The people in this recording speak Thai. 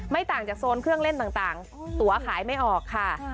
ต่างจากโซนเครื่องเล่นต่างตัวขายไม่ออกค่ะ